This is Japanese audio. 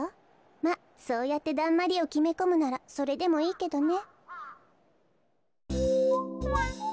まっそうやってだんまりをきめこむならそれでもいいけどね。